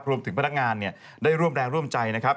พนักงานได้ร่วมแรงร่วมใจนะครับ